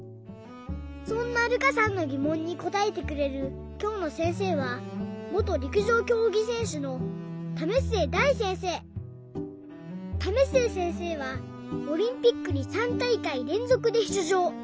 そんなるかさんのぎもんにこたえてくれるきょうのせんせいは為末せんせいはオリンピックに３たいかいれんぞくでしゅつじょう。